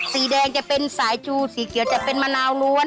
สีแดงจะเป็นสายชูสีเขียวจะเป็นมะนาวล้วน